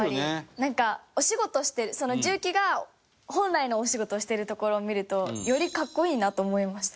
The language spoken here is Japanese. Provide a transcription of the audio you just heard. なんかお仕事してる重機が本来のお仕事をしてるところを見るとより格好いいなと思いました。